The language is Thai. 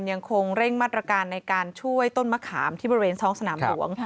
ยังคงเร่งมาตรการในการช่วยต้นมะขามที่บริเวณท้องสนามหลวง